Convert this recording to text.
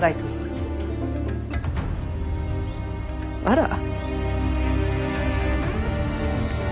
あら。